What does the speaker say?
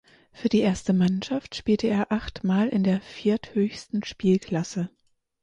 Für die erste Mannschaft spielte er achtmal in der vierthöchsten Spielklasse.